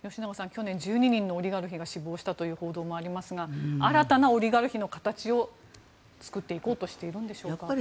去年、１２人のオリガルヒが死亡したという報道もありますが新たなオリガルヒの形を作っていこうとしているんでしょうか。